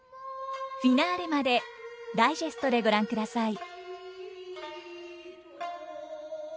フィナーレまでダイジェストでご覧ください。